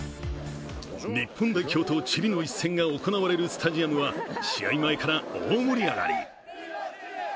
日本代表とチリの一戦が行われるスタジアムは試合前から大盛り上がり。